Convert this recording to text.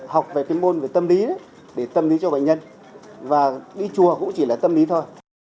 học về cái môn về tâm lý về tâm lý cho bệnh nhân và đi chùa cũng chỉ là tâm lý thôi